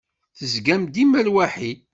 Tezgam dima lwaḥid.